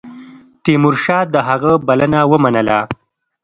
تیمورشاه د هغه بلنه ومنله.